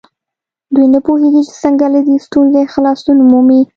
دوی نه پوهېږي چې څنګه له دې ستونزې خلاصون ومومي.